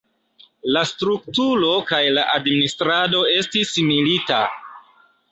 La strukturo kaj la administrado estis milita.